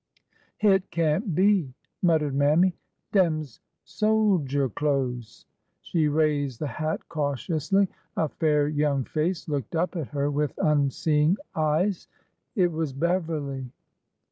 '' Hit can't be !" muttered Mammy. Dem 's soldier clo'es." She raised the hat cautiously. A fair young face looked up at her with unseeing eyes. It was Beverly.